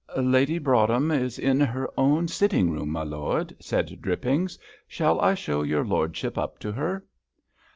"Lady Broadhem is in her own sitting room, my lord," said Drippings; "shall I show your lordship up to her?"